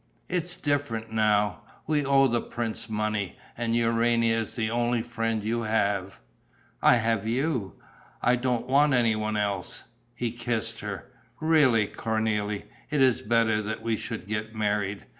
"It's different now. We owe the prince money; and Urania is the only friend you have." "I have you: I don't want any one else." He kissed her: "Really, Cornélie, it is better that we should get married.